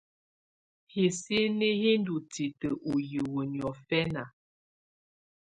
Hisini hi ndɔ́ titǝ́ ú hiwǝ́ niɔ̀fɛna.